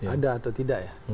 ada atau tidak ya